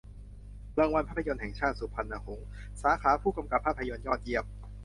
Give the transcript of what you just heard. รางวัลภาพยนตร์แห่งชาติ สุพรรณหงส์ สาขาผู้กำกับภาพยนตร์ยอดเยี่ยม